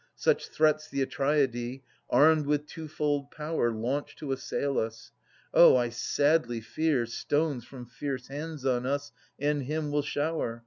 Such threats the Atreidae, armed with two fold power, Launch to assail us. Oh, I sadly fear Stones from fierce hands on us and him will shower.